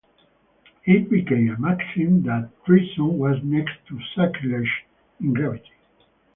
It became a maxim that treason was next to sacrilege in gravity.